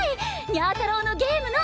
にゃ太郎のゲームの！